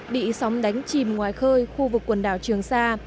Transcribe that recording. bị sóng đánh chìm ngoài khơi khu vực quần đảo trường sa